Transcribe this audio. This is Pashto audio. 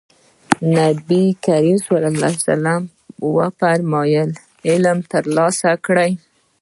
نبي کريم ص وفرمايل علم ترلاسه کړئ.